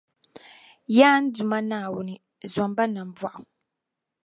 Yaa n Duuma Naawuni, zom ba nambɔɣu.